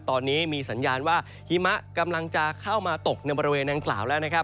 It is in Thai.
ตอนนี้มีสัญญาณว่าหิมะกำลังจะเข้ามาตกในบริเวณดังกล่าวแล้วนะครับ